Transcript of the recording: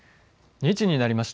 ２時になりました。